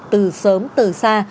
từ sớm từ xa